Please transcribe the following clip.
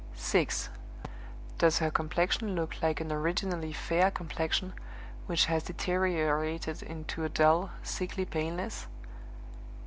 6. Does her complexion look like an originally fair complexion, which has deteriorated into a dull, sickly paleness?